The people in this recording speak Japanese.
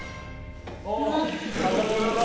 酒蔵だ。